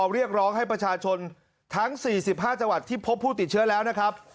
เรียกร้องให้ประชาชนทั้ง๔๕จังหวัดที่พบผู้ติดเชื้อแล้วนะครับ